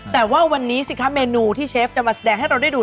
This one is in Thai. แต่ว่าวันนี้สิคะเมนูที่เชฟจะมาแสดงให้เราได้ดู